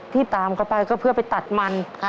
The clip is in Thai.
ที่ตามเขาไปก็เพื่อไปตัดมัน